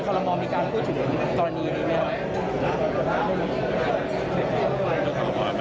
อันนี้ครั้งที่๒ครับ